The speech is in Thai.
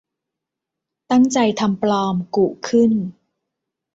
ตั้งใจทำปลอม กุขึ้น